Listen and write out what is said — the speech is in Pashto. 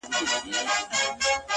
نن مي بيا يادېږي ورځ تېرېږي.